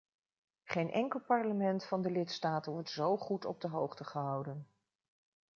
Geen enkel parlement van de lidstaten wordt zo goed op de hoogte gehouden.